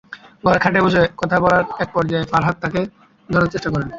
ঘরে খাটে বসে কথা বলার একপর্যায়ে ফরহাদ তাঁকে ধরার চেষ্টা করেন।